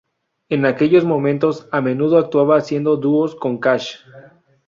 Es aquellos momentos a menudo actuaba haciendo dúos con Cash.